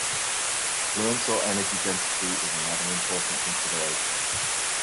Fluence or energy density is another important consideration.